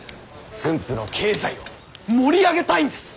駿府の経済を盛り上げたいんです。